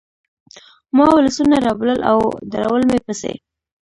ما ولسونه رابلل او درول مې پسې